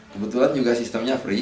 kebetulan juga sistemnya free